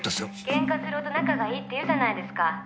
「ケンカするほど仲がいいって言うじゃないですか」